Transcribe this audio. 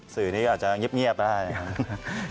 สื่อนี้อาจจะเงียบได้ครับ